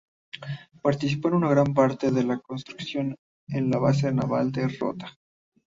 Participó en una gran parte de la construcción de la base naval de Rota.